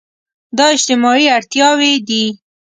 دا اجتماعي اړتياوې دي.